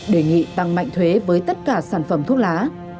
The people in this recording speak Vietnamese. đề nghị tăng mạnh thuế với tất cả sản phẩm thuốc lá